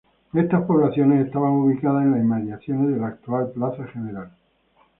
Estas poblaciones estaban ubicadas en las inmediaciones de la actual Plaza Gral.